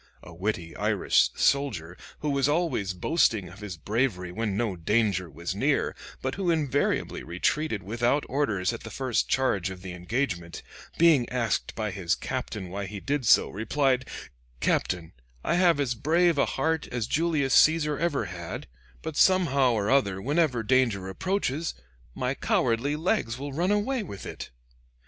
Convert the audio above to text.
A witty Irish soldier who was always boasting of his bravery when no danger was near, but who invariably retreated without orders at the first charge of the engagement, being asked by his captain why he did so, replied, 'Captain, I have as brave a heart as Julius Caesar ever had, but somehow or other whenever danger approaches, my cowardly legs will run away with it.'